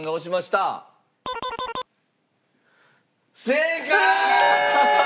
正解！